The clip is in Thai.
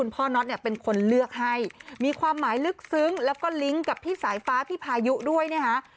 น็อตเนี่ยเป็นคนเลือกให้มีความหมายลึกซึ้งแล้วก็ลิงก์กับพี่สายฟ้าพี่พายุด้วยนะคะ